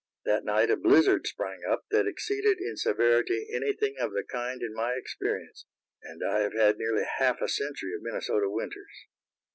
That night a blizzard sprang up that exceeded in severity anything of the kind in my experience, and I have had nearly half a century of Minnesota winters.